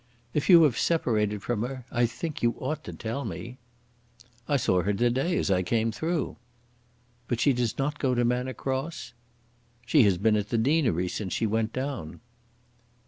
"If you have separated from her I think you ought to tell me." "I saw her to day as I came through." "But she does not go to Manor Cross?" "She has been at the deanery since she went down."